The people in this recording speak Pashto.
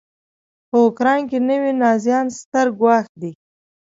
په اوکراین کې نوي نازیان ستر ګواښ دی.